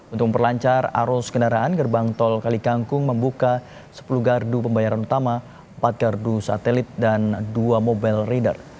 untuk memperlancar arus kendaraan gerbang tol kalikangkung membuka sepuluh gardu pembayaran utama empat gardu satelit dan dua mobile reader